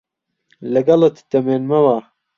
لەگەڵت دەمێنمەوە.